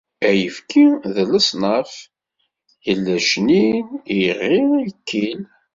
Ayefki d lesnaf, yella ccnin, iɣi, ikkil.